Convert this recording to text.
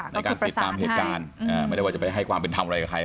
ในการติดตามเหตุการณ์ไม่ได้ว่าจะไปให้ความเป็นธรรมอะไรกับใคร